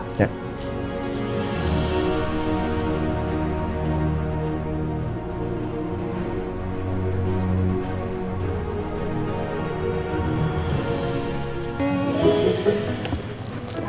makasih pak rizieq